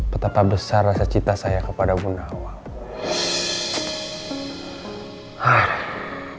betapa besar rasa cinta saya kepada bunda wang